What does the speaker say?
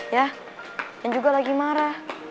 ya yang juga lagi marah